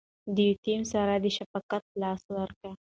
د یتیم سر ته د شفقت لاس ورکړئ.